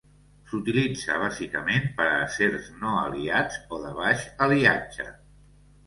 S'utilitza bàsicament per a acers no aliats o de baix aliatge.